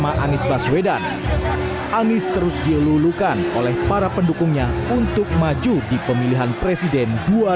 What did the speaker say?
anis terus dielulukan oleh para pendukungnya untuk maju di pemilihan presiden dua ribu dua puluh empat